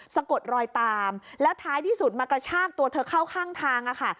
สะกดรอยตามแล้วท้ายที่สุดมากระชากตัวเธอเข้าข้างทางค่ะ